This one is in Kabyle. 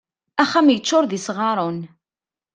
Axxam yeččur d isɣaren.